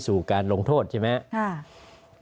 สู่การลงโทษใช่ไหม